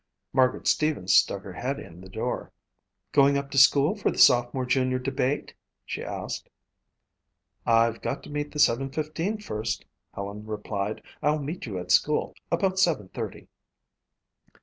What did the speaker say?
Margaret Stevens stuck her head in the door. "Going up to school for the sophomore junior debate?" she asked. "I've got to meet the seven fifteen first," Helen replied. "I'll meet you at school about seven thirty."